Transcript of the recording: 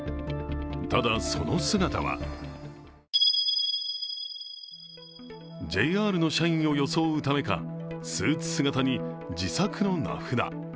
ただ、その姿はＪＲの社員を装うためかスーツ姿に自作の名札。